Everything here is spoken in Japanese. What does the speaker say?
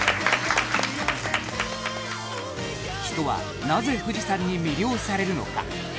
人はなぜ富士山に魅了されるのか？